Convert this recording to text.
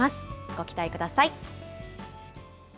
ご期待ください。